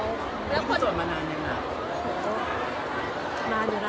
แล้วคุณส่วนมานานยังไง